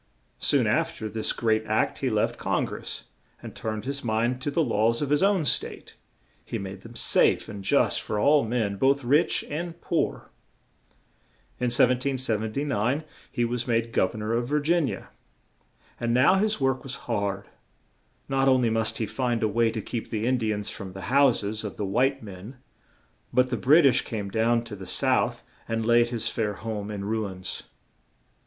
Soon af ter this great act he left Con gress and turned his mind to the laws of his own State; he made them safe and just for all men, both rich and poor. In 1779 he was made gov ern or of Vir gin ia; and now his work was hard; not on ly must he find a way to keep the In di ans from the hous es of the white men but the Brit ish came down to the south and laid his fair home in ruins.